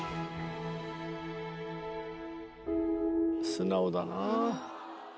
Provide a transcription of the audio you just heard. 素直だなあ。